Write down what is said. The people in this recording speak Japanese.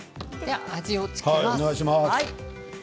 味を付けます。